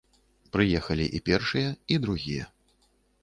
Прыехалі і першыя, і другія.